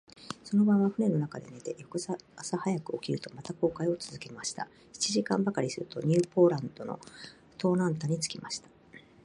その晩は舟の中で寝て、翌朝早く起きると、また航海をつづけました。七時間ばかりすると、ニューポランドの東南端に着きました。